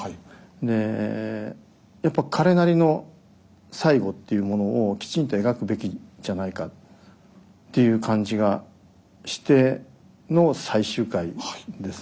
でやっぱ彼なりの最期っていうものをきちんと描くべきじゃないかっていう感じがしての最終回ですね。